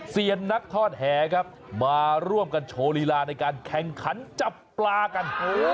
เซียนนักทอดแหครับมาร่วมกันโชว์ลีลาในการแข่งขันจับปลากัน